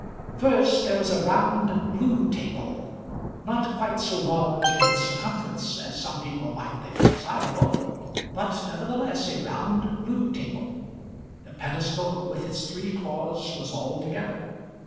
First there was a round loo table, not quite so large in its circumference as some people might think desirable, but, nevertheless, a round loo table. The pedestal with its three claws was all together.